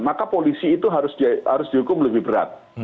maka polisi itu harus dihukum lebih berat